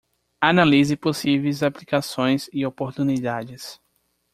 Analise possíveis aplicações e oportunidades